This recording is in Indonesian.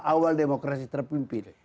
awal demokrasi terpimpin